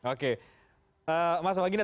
oke mas baginda